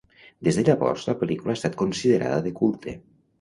Des de llavors, la pel·lícula ha estat considerada de culte.